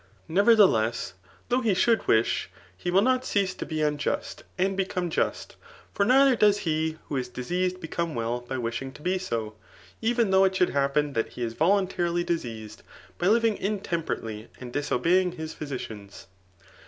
Ne verthdess, though he should wish, he will not cease to be unjust, and become just ; for neither does he who is di» ^ksed become well [by wishing to be so,] even though ft should happen that he is voluntarUy diseased, by living intemperately and disobeying his physicians.